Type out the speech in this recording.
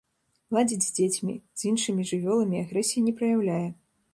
Ладзіць з дзецьмі, з іншымі жывёламі агрэсіі не праяўляе.